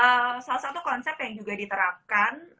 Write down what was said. ini salah satu konsep yang juga diterapkan